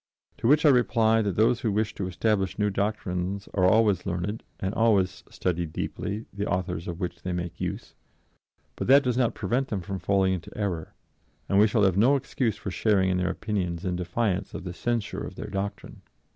To which I reply that those who wish to establish new doctrines are always learned and always study deeply the authors of which they make use. But that does not prevent them from falling into error, and we shall have no excuse for sharing in their opinions in defiance of the censure of their doctrine."